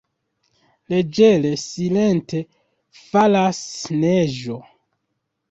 Leĝere, silente falas neĝo.